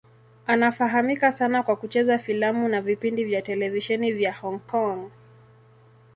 Anafahamika sana kwa kucheza filamu na vipindi vya televisheni vya Hong Kong.